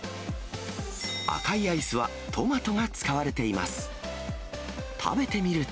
赤いアイスはトマトが使われています。